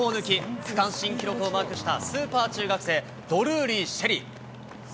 区間新記録をマークした、スーパー中学生、ドルーリー朱瑛里。